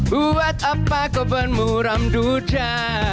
buat apa kau bermuram duca